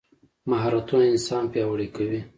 مهارتونه انسان پیاوړی کوي.